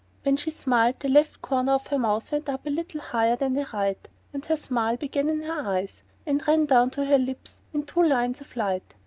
When she smiled, the left corner of her mouth went up a little higher than the right; and her smile began in her eyes and ran down to her lips in two lines of light.